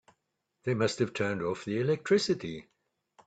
They must have turned off the electricity.